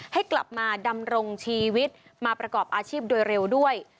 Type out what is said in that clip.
ให้กลับมาดำรงชีวิตมาประกอบอาชีพโดยเร็วด้วย